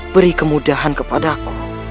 beri kemudahan kepadaku